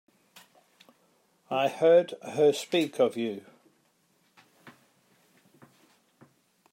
I've heard her speak of you.